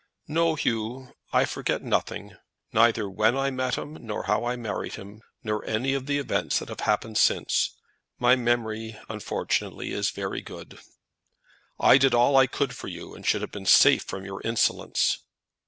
"No, Hugh; I forget nothing; neither when I met him, nor how I married him, nor any of the events that have happened since. My memory, unfortunately, is very good." "I did all I could for you, and should have been safe from your insolence."